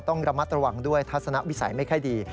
ต้องระมัดระวังด้วยทัศนวิสัยไม่ค่อยดี